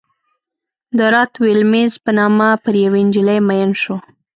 د رات ویلیمز په نامه پر یوې نجلۍ مین شو.